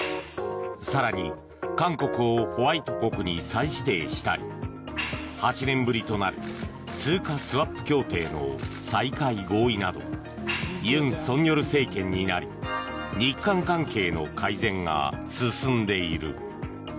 更に、韓国をホワイト国に再指定したり８年ぶりとなる通貨スワップ協定の再開合意など尹錫悦政権になり日韓関係の改善が進んでいる。